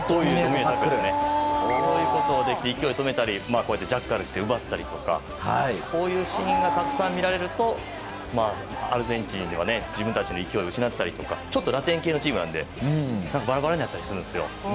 こういうことができて勢いを止めたりジャッカルして奪ったりというシーンがたくさん見られるとアルゼンチンでは自分たちの勢いを失ったりとかちょっとラテン系のチームなのでバラバラになったりするんです。